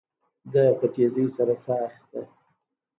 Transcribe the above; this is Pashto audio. ده په تيزۍ سره ساه اخيسته.